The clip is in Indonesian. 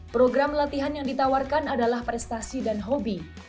program latihan yang ditawarkan adalah prestasi dan hobi